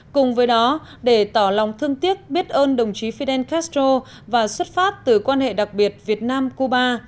cùng với đó để tỏ lòng thương tiếc biết ơn đồng chí fidel castro và xuất phát từ quan hệ đặc biệt việt nam cuba